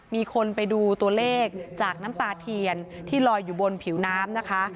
มีคนไปดูตัวเลขจากน้ำตาเทียนที่ลอยอยู่บนผิวน้ำนะคะ